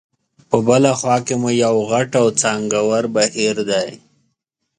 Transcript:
په بله خوا کې مو یو غټ او څانګور بهیر دی.